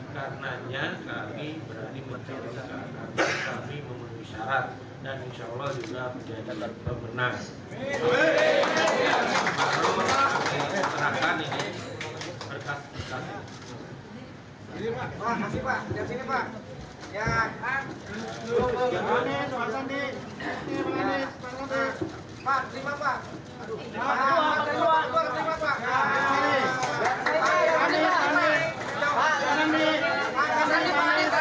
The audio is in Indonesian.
karenanya kami berani menceritakan kami memenuhi syarat dan insya allah juga berjaya dalam pemenang